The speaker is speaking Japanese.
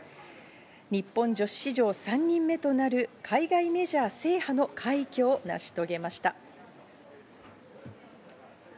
日本人女子史上３人目となる、海外メジャー制覇の快挙を成し遂げました。